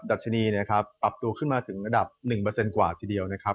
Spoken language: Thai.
ัชนีนะครับปรับตัวขึ้นมาถึงระดับ๑กว่าทีเดียวนะครับ